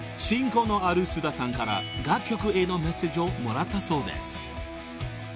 親交のある菅田さんから楽曲へのメッセージをもらったそうです］